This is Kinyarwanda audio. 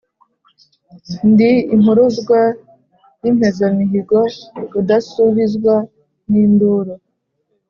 Ndi impuruzwa y'impezamihigo, rudasubizwa n'induru,